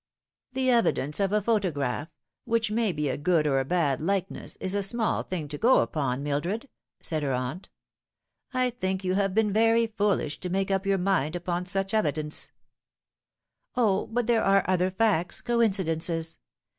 " The evidence of a photograph which may be a good or a bad likeness is a small thing to go upon, Mildred," said her aunt. " I think you have been very foolish to make up your mind upon such evidence." 168 The Fatal Three. " O, but there are other facts coincidences